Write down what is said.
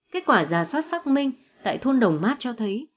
kết quả giả soát xác minh tại thôn đồng mát cho thấy